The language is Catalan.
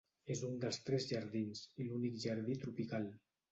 És un dels tres jardins, i l'únic jardí tropical.